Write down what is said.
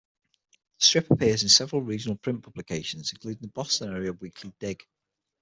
The strip appears in several regional print publications, including the Boston-area "Weekly Dig".